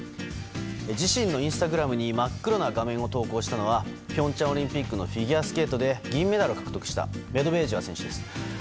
自身のインスタグラムに真っ黒な画面を投稿したのは平昌オリンピックのフィギュアスケートで銀メダルを獲得したメドベージェワ選手です。